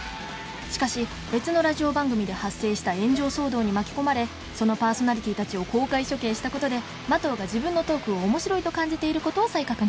しかし別のラジオ番組で発生した炎上騒動に巻き込まれそのパーソナリティーたちを公開処刑した事で麻藤が自分のトークを面白いと感じている事を再確認